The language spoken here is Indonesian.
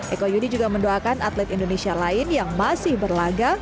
eko yudi juga mendoakan atlet indonesia lain yang masih berlaga